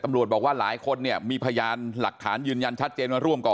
บอกว่าหลายคนเนี่ยมีพยานหลักฐานยืนยันชัดเจนว่าร่วมก่อ